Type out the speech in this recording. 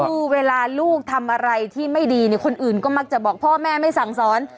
คือเวลาลูกทำอะไรที่ไม่ดีคนอื่นก็บอกว่าพ่อแม่ไม่สั่งสอน